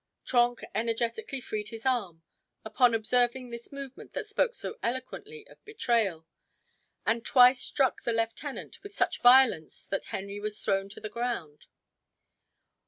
Trenck energetically freed his arm, upon observing this movement that spoke so eloquently of betrayal, and twice struck the lieutenant, with such violence that Henry was thrown to the ground.